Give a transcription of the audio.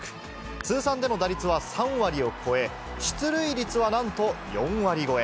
通算での打率は３割を超え、出塁率はなんと４割超え。